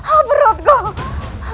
ah berot gua